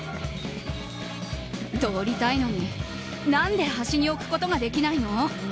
通りたいのに何で端に置くことができないの？